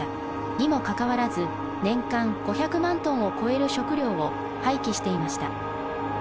にもかかわらず年間５００万トンを超える食料を廃棄していました。